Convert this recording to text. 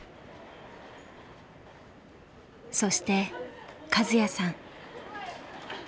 そしてカズヤさん。